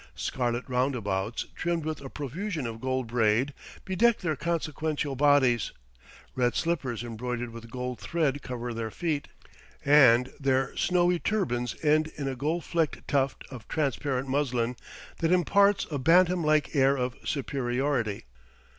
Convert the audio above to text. Scarlet roundabouts, trimmed with a profusion of gold braid, bedeck their consequential bodies; red slippers embroidered with gold thread cover their feet, and their snowy turbans end in a gold flecked tuft of transparent muslin that imparts a bantam like air of superiority.